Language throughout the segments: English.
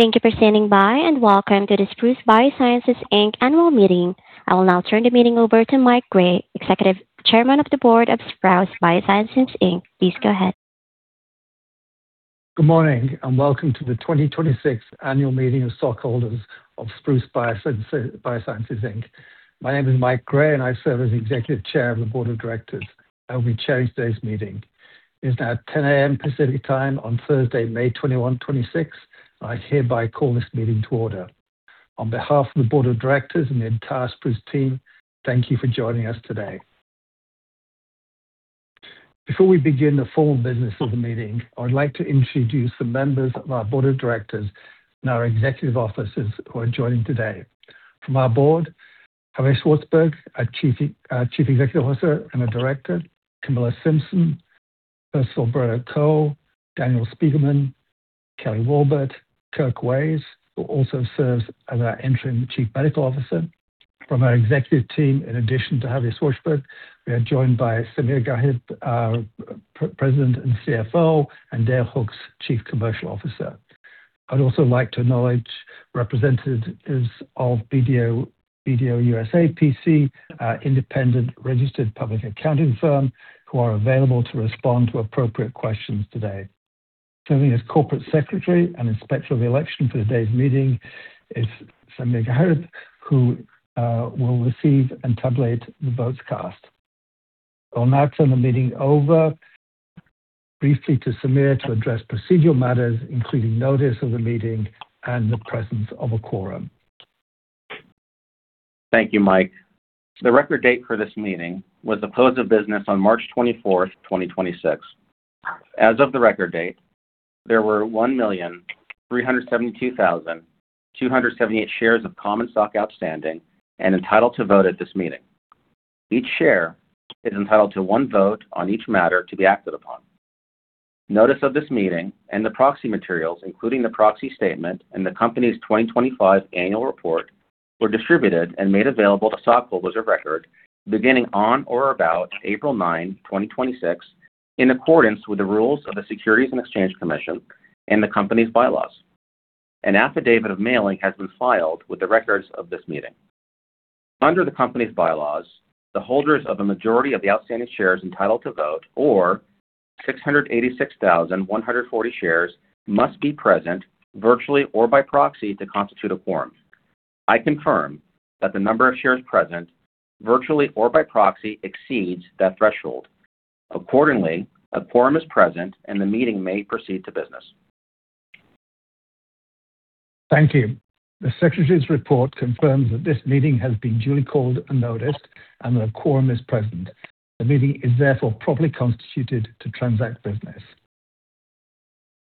Thank you for standing by, and welcome to the Spruce Biosciences, Inc. annual meeting. I will now turn the meeting over to Mike Grey, Executive Chairman of the Board of Spruce Biosciences, Inc. Please go ahead. Good morning, and welcome to the 2026 annual meeting of stockholders of Spruce Biosciences, Inc. My name is Mike Grey, and I serve as Executive Chairman of the Board of Directors. I will be chairing today's meeting. It is now 10:00 AM Pacific Time on Thursday, May 21, 2026, and I hereby call this meeting to order. On behalf of the Board of Directors and the entire Spruce team, thank you for joining us today. Before we begin the formal business of the meeting, I would like to introduce the members of our Board of Directors and our Executive Officers who are joining today. From our Board, Javier Szwarcberg, our Chief Executive Officer and a Director, Camilla Simpson, Percival Barretto-Ko, Daniel Spiegelman, Keli Walbert, Kirk Ways, who also serves as our Interim Chief Medical Officer. From our executive team, in addition to Javier Szwarcberg, we are joined by Samir Gharib, our President and CFO, and Dale Hooks, Chief Commercial Officer. I'd also like to acknowledge representatives of BDO USA, P.C., our independent registered public accounting firm, who are available to respond to appropriate questions today. Serving as corporate secretary and inspector of the election for today's meeting is Samir Gharib, who will receive and tabulate the votes cast. I'll now turn the meeting over briefly to Samir to address procedural matters, including notice of the meeting and the presence of a quorum. Thank you, Mike. The record date for this meeting was the close of business on March 24th, 2026. As of the record date, there were 1,372,278 shares of common stock outstanding and entitled to vote at this meeting. Each share is entitled to one vote on each matter to be acted upon. Notice of this meeting and the proxy materials, including the proxy statement and the company's 2025 annual report, were distributed and made available to stockholders of record beginning on or about April 9, 2026, in accordance with the rules of the Securities and Exchange Commission and the company's bylaws. An affidavit of mailing has been filed with the records of this meeting. Under the company's bylaws, the holders of a majority of the outstanding shares entitled to vote or 686,140 shares must be present virtually or by proxy to constitute a quorum. I confirm that the number of shares present, virtually or by proxy, exceeds that threshold. Accordingly, a quorum is present and the meeting may proceed to business. Thank you. The secretary's report confirms that this meeting has been duly called and noticed, and a quorum is present. The meeting is therefore properly constituted to transact business.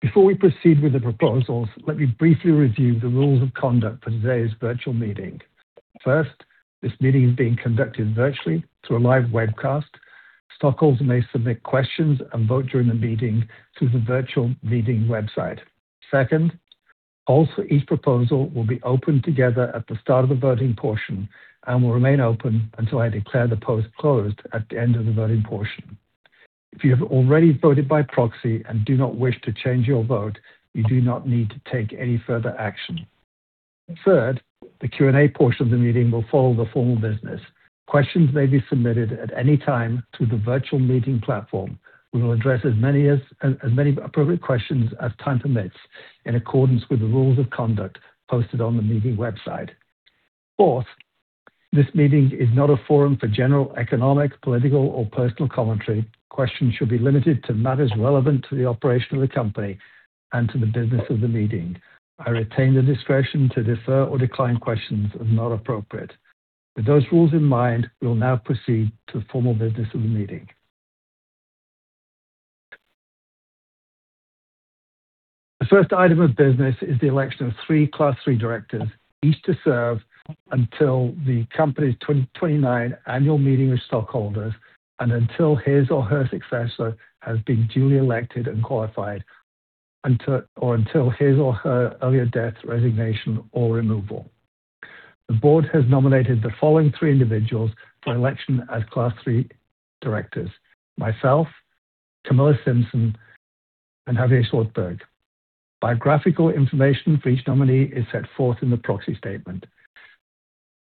Before we proceed with the proposals, let me briefly review the rules of conduct for today's virtual meeting. First, this meeting is being conducted virtually through a live webcast. Stockholders may submit questions and vote during the meeting through the virtual meeting website. Second, polls for each proposal will be open together at the start of the voting portion and will remain open until I declare the polls closed at the end of the voting portion. If you have already voted by proxy and do not wish to change your vote, you do not need to take any further action. Third, the Q&A portion of the meeting will follow the formal business. Questions may be submitted at any time through the virtual meeting platform. We will address as many appropriate questions as time permits in accordance with the rules of conduct posted on the meeting website. Fourth, this meeting is not a forum for general economic, political, or personal commentary. Questions should be limited to matters relevant to the operation of the company and to the business of the meeting. I retain the discretion to defer or decline questions as not appropriate. With those rules in mind, we will now proceed to the formal business of the meeting. The first item of business is the election of three Class III directors, each to serve until the company's 2029 annual meeting of stockholders and until his or her successor has been duly elected and qualified or until his or her earlier death, resignation, or removal. The board has nominated the following three individuals for election as Class III directors: myself, Camilla Simpson, and Javier Szwarcberg. Biographical information for each nominee is set forth in the proxy statement.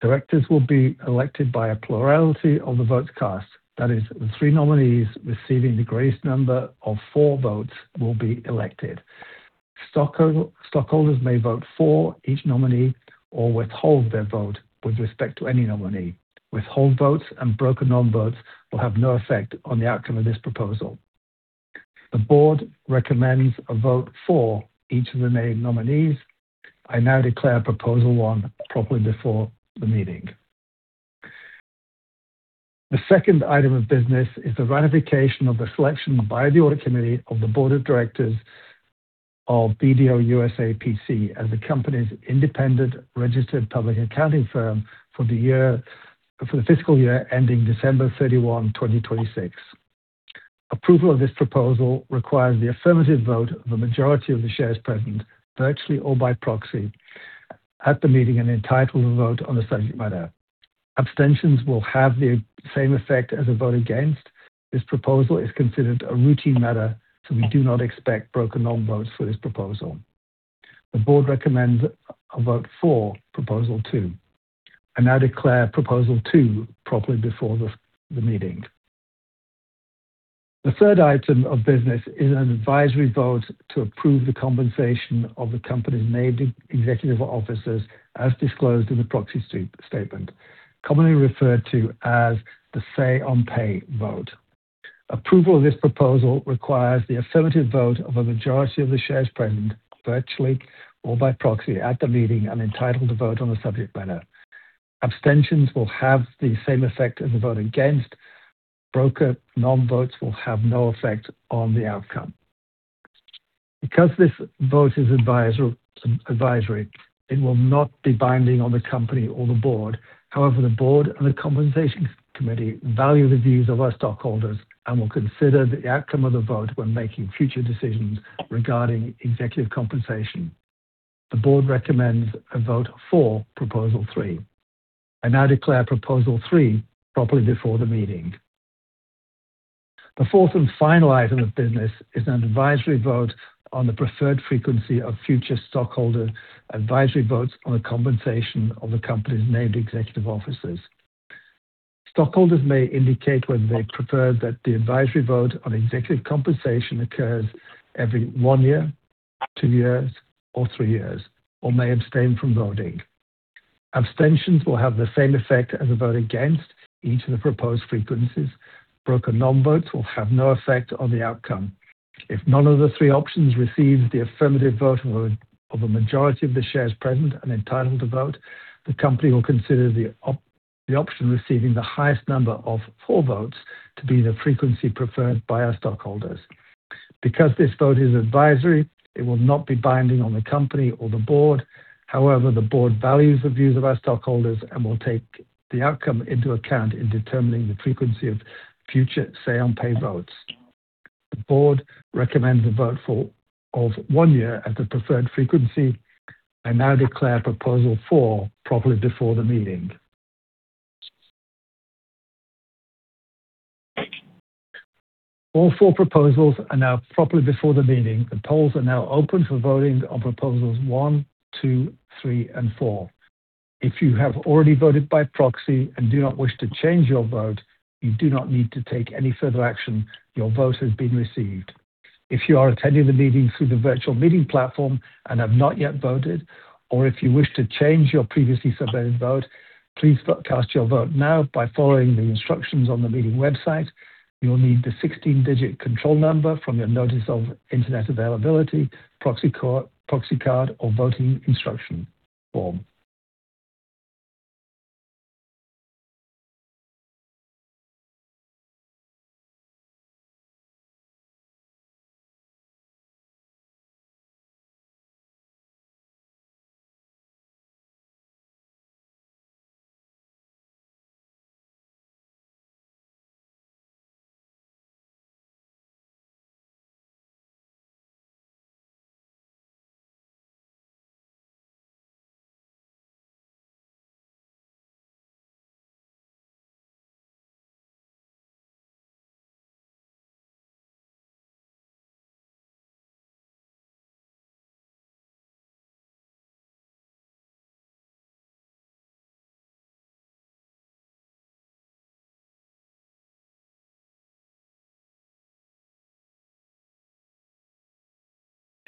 Directors will be elected by a plurality of the votes cast. That is, the three nominees receiving the greatest number of four votes will be elected. Stockholders may vote for each nominee or withhold their vote with respect to any nominee. Withheld votes and broken non-votes will have no effect on the outcome of this proposal. The board recommends a vote for each of the named nominees. I now declare Proposal 1 properly before the meeting. The second item of business is the ratification of the selection by the Audit Committee of the Board of Directors of BDO USA, P.C. as the company's independent registered public accounting firm for the fiscal year ending December 31, 2026. Approval of this proposal requires the affirmative vote of the majority of the shares present, virtually or by proxy at the meeting and entitled to vote on the subject matter. Abstentions will have the same effect as a vote against. This proposal is considered a routine matter. We do not expect broker non-votes for this proposal. The board recommends a vote for Proposal 2. I now declare Proposal 2 properly before the meeting. The third item of business is an advisory vote to approve the compensation of the company's named executive officers as disclosed in the proxy statement, commonly referred to as the say on pay vote. Approval of this proposal requires the affirmative vote of a majority of the shares present, virtually or by proxy at the meeting, and entitled to vote on the subject matter. Abstentions will have the same effect as a vote against. Broker non-votes will have no effect on the outcome. Because this vote is advisory, it will not be binding on the company or the board. However, the board and the Compensation Committee value the views of our stockholders and will consider the outcome of the vote when making future decisions regarding executive compensation. The board recommends a vote for Proposal 3. I now declare Proposal 3 properly before the meeting. The fourth and final item of business is an advisory vote on the preferred frequency of future stockholder advisory votes on the compensation of the company's named executive officers. Stockholders may indicate whether they prefer that the advisory vote on executive compensation occurs every one year, two years, or three years, or may abstain from voting. Abstentions will have the same effect as a vote against each of the proposed frequencies. Broker non-votes will have no effect on the outcome. If none of the three options receives the affirmative vote of a majority of the shares present and entitled to vote, the company will consider the option receiving the highest number of for votes to be the frequency preferred by our stockholders. Because this vote is advisory, it will not be binding on the company or the board. The board values the views of our stockholders and will take the outcome into account in determining the frequency of future say on pay votes. The board recommends a vote for of one year as the preferred frequency. I now declare Proposal 4 properly before the meeting. All four proposals are now properly before the meeting. The polls are now open for voting on Proposals 1, 2, 3, and 4. If you have already voted by proxy and do not wish to change your vote, you do not need to take any further action. Your vote has been received. If you are attending the meeting through the virtual meeting platform and have not yet voted, or if you wish to change your previously submitted vote, please cast your vote now by following the instructions on the meeting website. You'll need the 16-digit control number from your notice of internet availability, proxy card, or voting instruction form.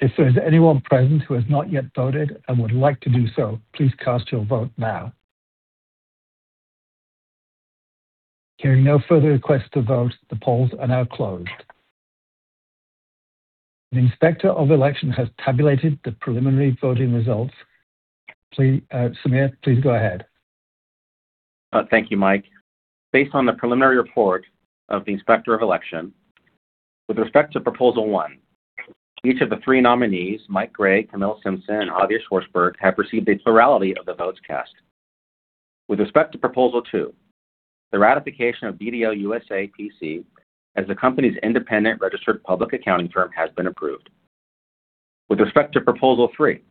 If there is anyone present who has not yet voted and would like to do so, please cast your vote now. Hearing no further requests to vote, the polls are now closed. An inspector of election has tabulated the preliminary voting results. Samir, please go ahead. Thank you, Mike. Based on the preliminary report of the inspector of election, with respect to Proposal 1, each of the three nominees, Mike Grey, Camilla Simpson, and Javier Szwarcberg, have received a plurality of the votes cast. With respect to Proposal 2, the ratification of BDO USA, P.C. as the company's independent registered public accounting firm has been approved. With respect to Proposal 3,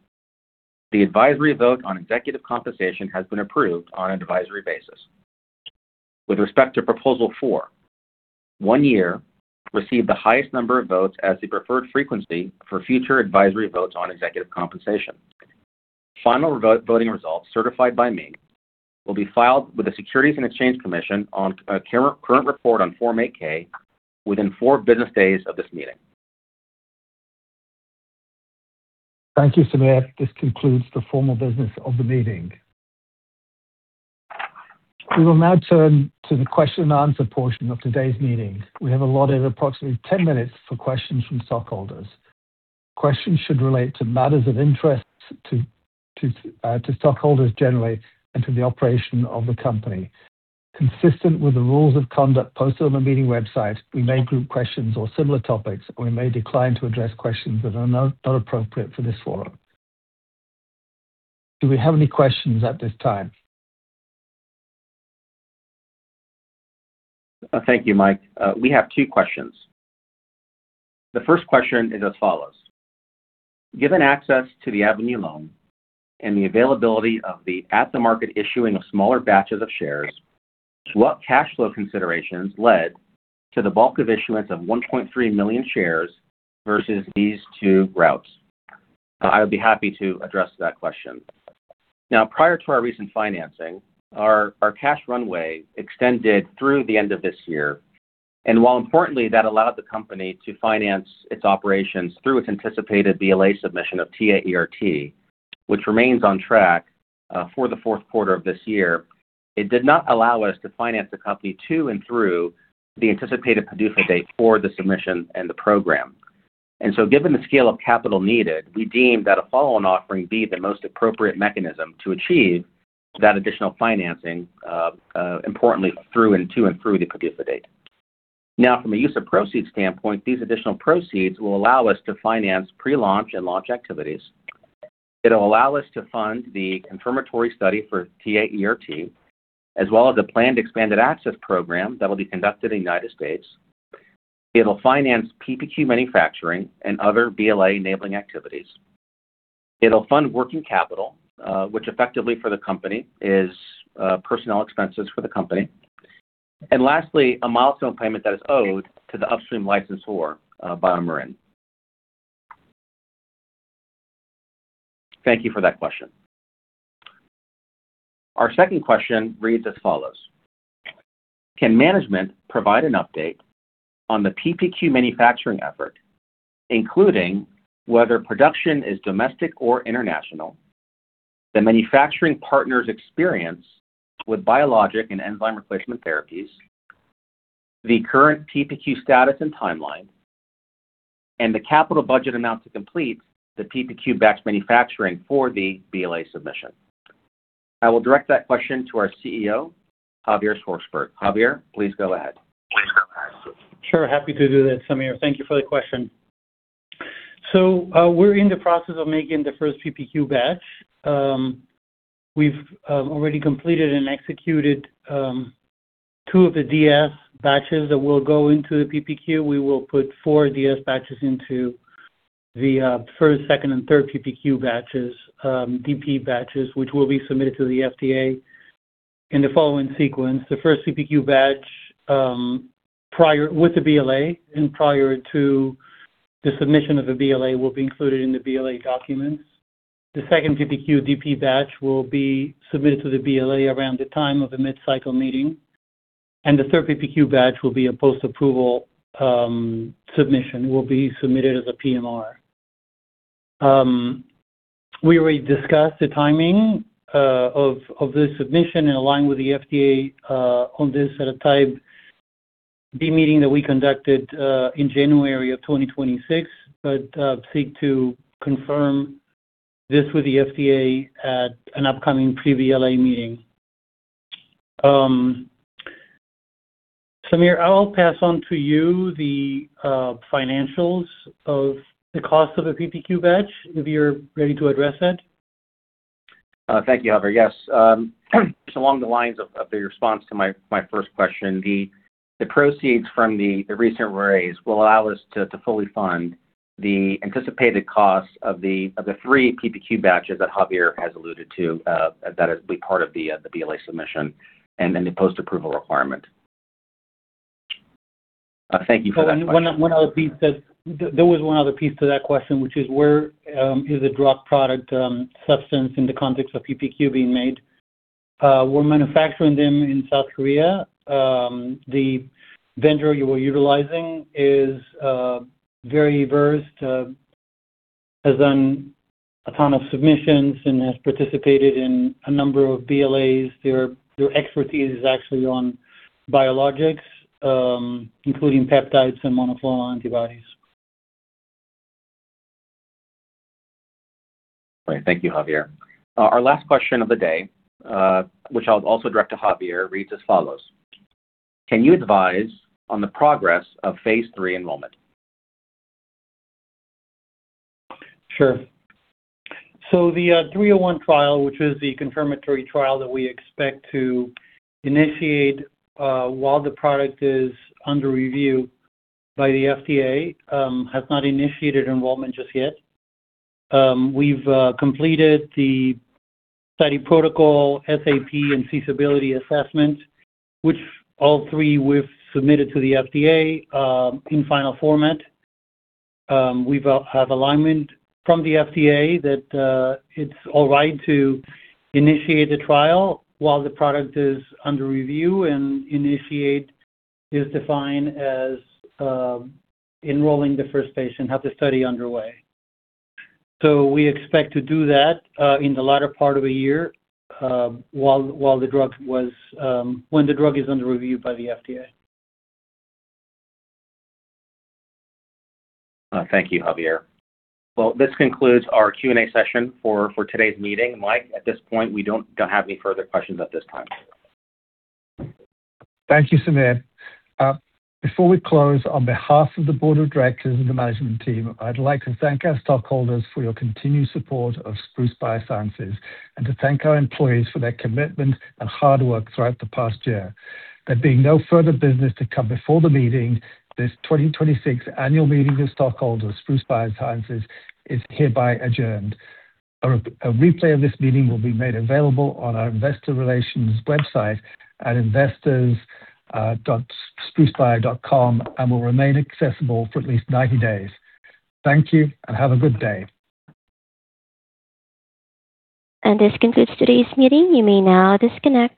the advisory vote on executive compensation has been approved on an advisory basis. With respect to Proposal 4, one year received the highest number of votes as the preferred frequency for future advisory votes on executive compensation. Final voting results certified by me will be filed with the Securities and Exchange Commission on a current report on Form 8-K within four business days of this meeting. Thank you, Samir. This concludes the formal business of the meeting. We will now turn to the question and answer portion of today's meeting. We have allotted approximately 10 minutes for questions from stockholders. Questions should relate to matters of interest to stockholders generally and to the operation of the company. Consistent with the rules of conduct posted on the meeting website, we may group questions or similar topics, or we may decline to address questions that are not appropriate for this forum. Do we have any questions at this time? Thank you, Mike. We have two questions. The first question is as follows. Given access to the Avenue loan and the availability of the at-the-market issuing of smaller batches of shares, what cash flow considerations led to the bulk of issuance of 1.3 million shares versus these two routes? I would be happy to address that question. Prior to our recent financing, our cash runway extended through the end of this year. While importantly, that allowed the company to finance its operations through its anticipated BLA submission of TA-ERT, which remains on track for the fourth quarter of this year, it did not allow us to finance the company to and through the anticipated PDUFA date for the submission and the program. Given the scale of capital needed, we deemed that a follow-on offering be the most appropriate mechanism to achieve that additional financing, importantly, to and through the PDUFA date. From a use of proceeds standpoint, these additional proceeds will allow us to finance pre-launch and launch activities. It'll allow us to fund the confirmatory study for TA-ERT, as well as the planned expanded access program that will be conducted in the U.S. It'll finance PPQ manufacturing and other BLA-enabling activities. It'll fund working capital, which effectively for the company is personnel expenses for the company. Lastly, a milestone payment that is owed to the upstream licensor, BioMarin. Thank you for that question. Our second question reads as follows. Can management provide an update on the PPQ manufacturing effort, including whether production is domestic or international, the manufacturing partner's experience with biologic and enzyme replacement therapies, the current PPQ status and timeline, and the capital budget amount to complete the PPQ batch manufacturing for the BLA submission? I will direct that question to our CEO, Javier Szwarcberg. Javier, please go ahead. Sure. Happy to do that, Samir. Thank you for the question. We're in the process of making the first PPQ batch. We've already completed and executed two of the DF batches that will go into the PPQ. We will put four DF batches into the first, second, and third PPQ batches, DP batches, which will be submitted to the FDA in the following sequence. The first PPQ batch with the BLA and prior to the submission of the BLA will be included in the BLA documents. The second PPQ DP batch will be submitted to the BLA around the time of the mid-cycle meeting. The third PPQ batch will be a post-approval submission, will be submitted as a PMR. We already discussed the timing of the submission and aligned with the FDA on this at a Type B meeting that we conducted in January of 2026, but seek to confirm this with the FDA at an upcoming pre-BLA meeting. Samir, I'll pass on to you the financials of the cost of a PPQ batch, if you're ready to address that. Thank you, Javier. Yes. Along the lines of the response to my first question, the proceeds from the recent raise will allow us to fully fund the anticipated costs of the three PPQ batches that Javier has alluded to that'll be part of the BLA submission and the post-approval requirement. Thank you for that question. There was one other piece to that question, which is where is the drug product substance in the context of PPQ being made? We're manufacturing them in South Korea. The vendor we're utilizing is very versed, has done a ton of submissions, and has participated in a number of BLAs. Their expertise is actually on biologics, including peptides and monoclonal antibodies. Great. Thank you, Javier. Our last question of the day, which I will also direct to Javier, reads as follows. Can you advise on the progress of phase III enrollment? Sure. The 301 trial, which is the confirmatory trial that we expect to initiate while the product is under review by the FDA, has not initiated enrollment just yet. We've completed the study protocol, SAP, and feasibility assessment, which all three we've submitted to the FDA in final format. We have alignment from the FDA that it's all right to initiate the trial while the product is under review and initiate is defined as enrolling the first patient, have the study underway. We expect to do that in the latter part of the year when the drug is under review by the FDA. Thank you, Javier. Well, this concludes our Q&A session for today's meeting. Mike, at this point, we don't have any further questions at this time. Thank you, Samir. Before we close, on behalf of the board of directors and the management team, I'd like to thank our stockholders for your continued support of Spruce Biosciences and to thank our employees for their commitment and hard work throughout the past year. There being no further business to come before the meeting, this 2026 annual meeting of stockholders, Spruce Biosciences, is hereby adjourned. A replay of this meeting will be made available on our investor relations website at investors.sprucebio.com and will remain accessible for at least 90 days. Thank you and have a good day. This concludes today's meeting. You may now disconnect.